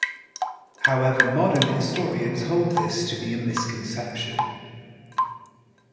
However modern historians hold this to be a misconception.